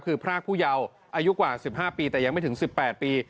คือพรากผู้เยาว์อายุกว่า๑๕ปีแต่ยังไม่ถึง๑๘ปี